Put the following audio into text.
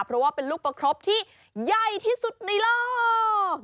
เพราะว่าเป็นลูกประครบที่ใหญ่ที่สุดในโลก